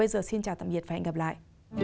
xin chào và hẹn gặp lại